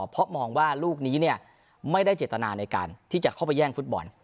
เพราะมองว่าลูกนี้ไม่ได้เจตนาในการที่จะเข้าไปแย่งฟุตบอล